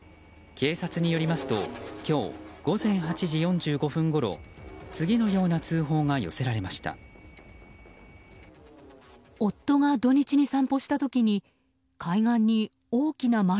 警察によりますと今日午前８時４５分ごろ次のような通報が寄せられました。